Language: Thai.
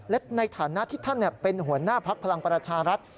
และในฐานะที่ท่านเป็นหัวหน้าภักดิ์พลังประชารัฐ